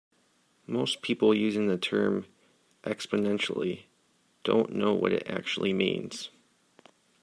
Most people using the term "exponentially" don't know what it actually means.